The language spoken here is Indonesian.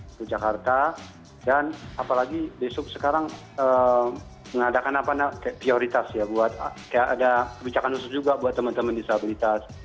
untuk jakarta dan apalagi besok sekarang mengadakan prioritas ya buat ada kebijakan khusus juga buat teman teman disabilitas